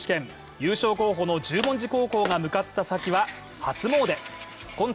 優勝候補の十文字高校が向かった先は初詣客。